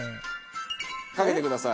かけてください。